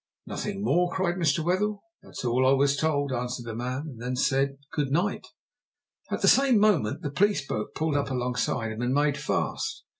"Nothing more?" cried Mr. Wetherell. "That's all I was told," answered the man, and then said, "Good night." At the same moment the police boat pulled up alongside him and made fast.